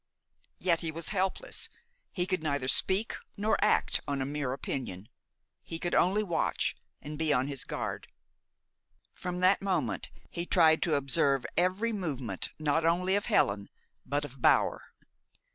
Yet he was helpless. He could neither speak nor act on a mere opinion. He could only watch, and be on his guard. From that moment he tried to observe every movement not only of Helen but of Bower.